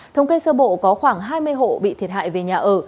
thống kê sơ bộ có khoảng hai mươi hộ bị thiệt hại về nhà ở